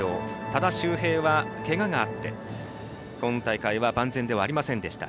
多田修平は、けががあって今大会は万全ではありませんでした。